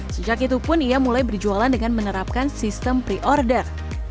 sejak itu pun ia mulai berjualan dengan menerapkan sistem pre order